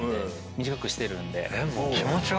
短くしてるんで。